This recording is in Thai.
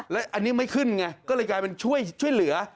แล้วอันนี้ไม่ขึ้นไงก็เลยกลายเป็นช่วยเหลือ